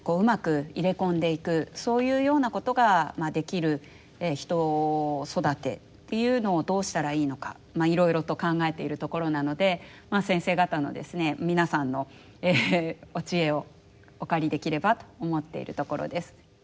そういうようなことができる人を育てるというのをどうしたらいいのかいろいろと考えているところなので先生方のですね皆さんのお知恵をお借りできればと思っているところです。